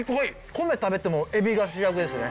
米食べてもエビが主役ですね。